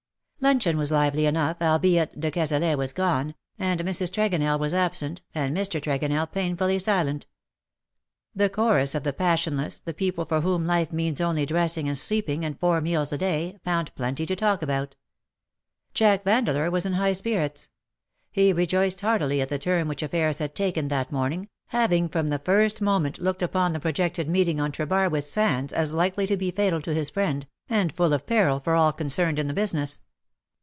Luncheon was lively enough, albeit de Cazalet was gone, and Mrs. Tregonell was absent, and Mr. Tregonell painfully silent. The chorus of the passionless, the people for whom life means only dressing and sleeping and four meals a day, found plenty to talk about. TEARS AND TREASONS. 303 Jack Vandeleur was in higli spirits. He rejoiced heartily at the turn whicli aflFairs had taken that morning, having from the first moment looked upon the projected meeting on Trebarwith sands as likely to be fatal to his friend, and full of peril for all concerned in the business.